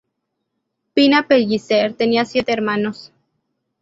Pina Pellicer tenía siete hermanos.